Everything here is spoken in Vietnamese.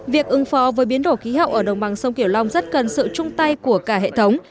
việc ứng phó với biến đổi khí hậu ở đồng bằng sông kiểu long rất cần sự chung tay của cả hệ thống